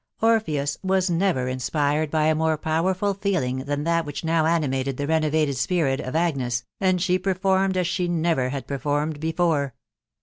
Orpheus was never inspired by a more powerful feeling than that which now animated the renovated spirit of Agnes, and she performed as she never had performed before.